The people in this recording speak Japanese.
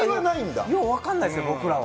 よう分かんないです、僕らは。